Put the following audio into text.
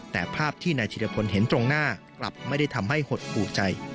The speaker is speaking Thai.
แต่ภาพที่นายธิรพลเห็นตรงหน้ากลับไม่ได้ทำให้หดหูใจ